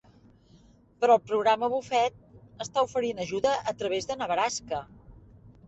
Però el programa Buffett està oferint ajuda a través de Nebraska.